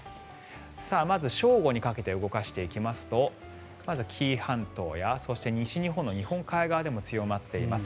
まず正午にかけて動かしていきますとまず紀伊半島やそして西日本の日本海側でも強まっています。